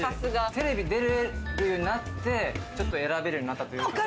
テレビ出られるようになって選べるようになったというか。